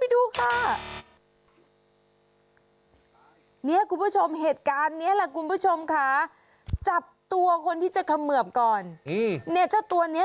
วิดตายเพราะว่าเกือบโดนขเมือบ